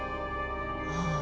ああ。